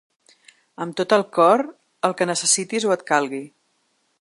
Amb tot el cor, el que necessitis o et calgui.